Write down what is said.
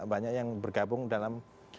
banyak yang bergabung dalam